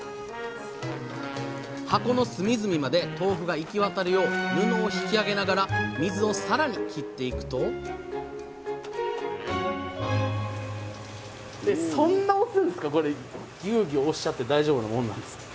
箱の隅々まで豆腐が行き渡るよう布を引き上げながら水をさらに切っていくとぎゅうぎゅう押しちゃって大丈夫なもんなんですか？